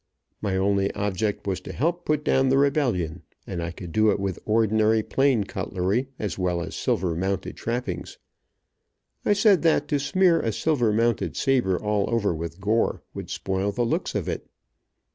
My only object was to help put down the rebellion, and I could do it with ordinary plain cutlery, as well as silver mounted trappings. I said that to smear a silver mounted saber all over with gore, would spoil the looks of it.